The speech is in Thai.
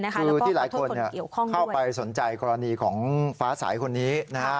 คือที่หลายคนเข้าไปสนใจกรณีของฟ้าสายคนนี้นะฮะ